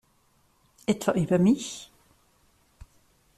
Etwa über mich?